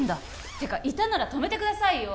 てかいたなら止めてくださいよ